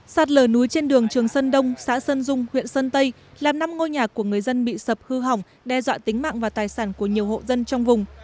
sạt lở núi trên đường trường sơn đông xã sơn dung huyện sơn tây làm năm ngôi nhà của người dân bị sập hư hỏng đe dọa tính mạng và tài sản của nhiều hộ dân trong vùng